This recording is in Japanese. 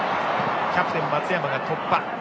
キャプテンの松山が突破。